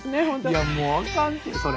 いやもうあかんってそれ。